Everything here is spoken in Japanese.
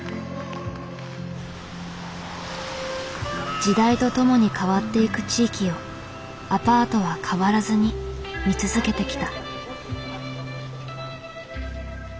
時代とともに変わっていく地域をアパートは変わらずに見続けてきた。